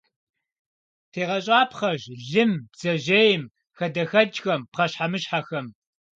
ТегъэщӀапхъэщ лым, бдзэжьейм, хадэхэкӀхэм, пхъэщхьэмыщхьэхэм.